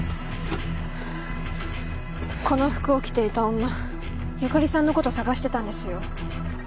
この服を着ていた女由香里さんのこと捜してたんですよ。